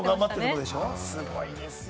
すごいです。